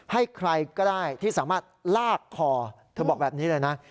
ให้ใครก็ได้ที่สามารถลากคอเธอบอกแบบนี้เลยนะ